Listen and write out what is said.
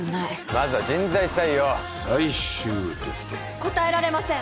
まずは人材採用最終テスト答えられません